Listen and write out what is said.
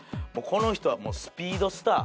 この人はもうスピードスター。